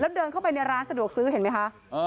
แล้วเดินเข้าไปในร้านสะดวกซื้อเห็นไหมคะ